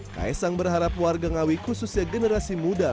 kaisang berharap warga ngawi khususnya generasi muda